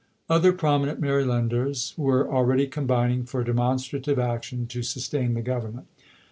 Other prominent Marylanders were already combining for demonstrative action to sustain the Government.